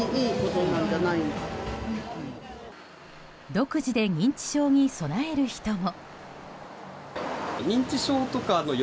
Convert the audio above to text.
独自で認知症に備える人も。